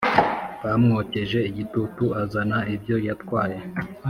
Bamwokeje igitutu azana ibyo yatwaye